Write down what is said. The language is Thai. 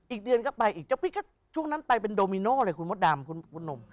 อีกเดือนก็ไปอีกเจ้าปิ๊กก็ช่วงนั้นไปเป็นโดมิโน่เลยคุณมดดำคุณหนุ่ม